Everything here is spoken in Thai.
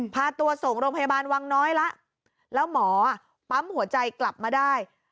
พาตัวส่งโรงพยาบาลวังน้อยแล้วแล้วหมอปั๊มหัวใจกลับมาได้